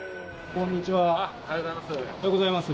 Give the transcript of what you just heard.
おはようございます。